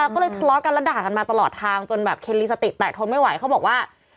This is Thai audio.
ก็เลยทะเลาะกันแล้วด่ากันมาตลอดทางจนแบบเคนลิสติกแตกทนไม่ไหวเขาบอกว่า